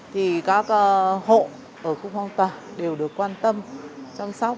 thì các hộ ở khu phong tỏa đều được quan tâm chăm sóc